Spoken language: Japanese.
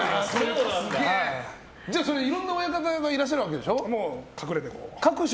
いろんな親方がいらっしゃるわけでしょ。